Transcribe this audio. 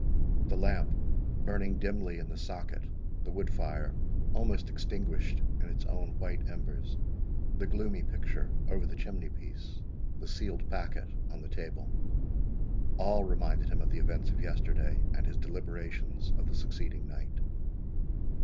The lamp burning dimly in the socket, the wood fire almost extinguished in its own white embers, the gloomy picture over the chimney piece, the sealed packet on the table—all reminded him of the events of yesterday, and his deliberations of the succeeding night.